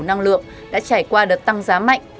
năng lượng đã trải qua đợt tăng giá mạnh